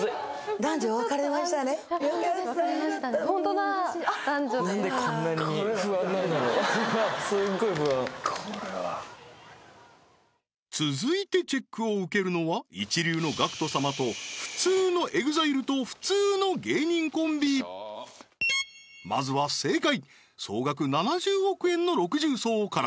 男女で続いてチェックを受けるのは一流のＧＡＣＫＴ様と普通のＥＸＩＬＥと普通の芸人コンビまずは正解総額７０億円の六重奏から